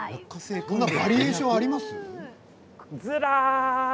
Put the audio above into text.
こんなにバリエーションがあります？